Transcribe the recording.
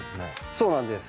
そうなんです。